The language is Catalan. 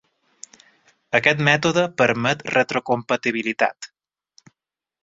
Aquest mètode permet retrocompatibilitat.